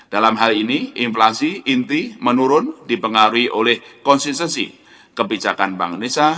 dalam hal ini inflasi inti menurun dipengaruhi oleh konsistensi kebijakan bank indonesia